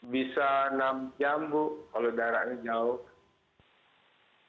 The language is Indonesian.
bisa enam jam bu kalau darahnya jauh